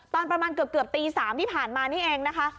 ตอนประมาณเกือบตี๓ที่ผ่านมานี่เองนะคะ